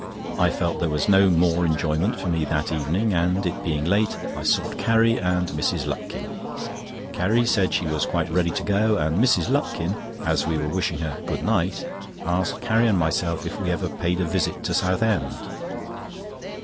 I felt there was no more enjoyment for me that evening, and it being late, I sought Carrie and Mrs. Lupkin. Carrie said she was quite ready to go, and Mrs. Lupkin, as we were wishing her "Good night," asked Carrie and myself if we ever paid a visit to Southend?